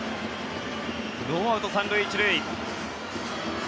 ノーアウト３塁１塁。